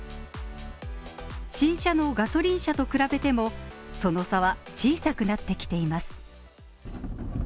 新車のガソリン車と比べてもその差は小さくなってきています。